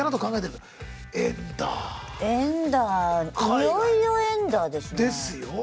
いよいよエンダーですね。ですよ。